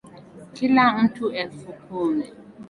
Kila mtu elfu kumi